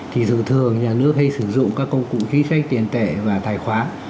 thì thường thường nhà nước hay sử dụng các công cụ chính sách tiền tệ và tài khoá